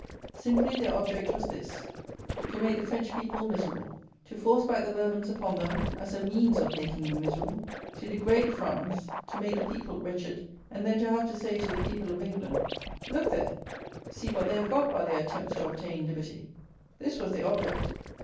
Simply their object was this: to make the French people miserable; to force back the Bourbons upon them as a means of making them miserable; to degrade France, to make the people wretched; and then to have to say to the people of England, Look there: see what they have got by their attempts to obtain liberty! This was their object.